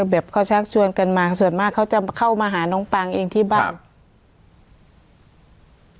แบบเขาชักชวนกันมาส่วนมากเขาจะเข้ามาหาน้องปางเองที่บ้าน